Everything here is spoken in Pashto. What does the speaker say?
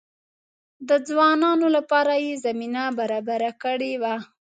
د ځوانانو لپاره یې زمینه برابره کړې وه.